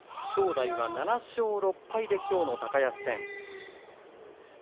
正代は７勝６敗できょうの高安戦。